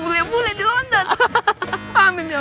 enggak bakalan ada yang ninggalin kamu yuk